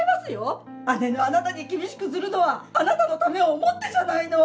姉のあなたに厳しくするのはあなたのためを思ってじゃないの。